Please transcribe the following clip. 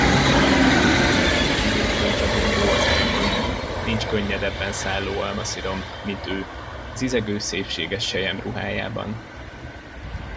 Nincs üdébb rózsabimbó az ágon, nincs könnyedebben szálló almaszirom, mint ő, zizegő szépséges selyemruhájában.